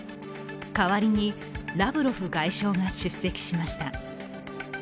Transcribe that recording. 代わりにラブロフ外相が出席しました。